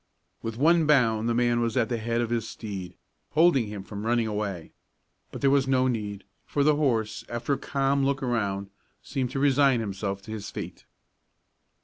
With one bound the man was at the head of his steed, holding him from running away, but there was no need, for the horse, after a calm look around, seemed to resign himself to his fate.